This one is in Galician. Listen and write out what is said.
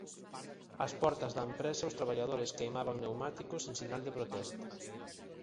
Ás portas da empresa os traballadores queimaban pneumáticos en sinal de protesta.